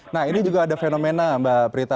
nah ini juga ada fenomena mbak prita